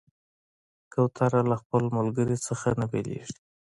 کوتره له خپل ملګري نه نه بېلېږي.